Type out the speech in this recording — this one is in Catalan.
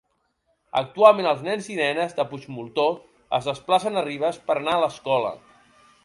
Actualment els nens i nenes de Puigmoltó es desplacen a Ribes per anar a l'escola.